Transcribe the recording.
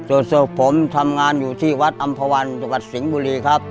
ส่วนศพผมทำงานอยู่ที่วัดอำภาวันจังหวัดสิงห์บุรีครับ